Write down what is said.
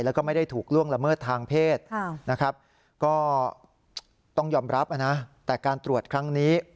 แล้วก็ไม่ได้ถูกล่วงละเมิดทางเพศนะครับก็ต้องยอมรับนะแต่การตรวจครั้งนี้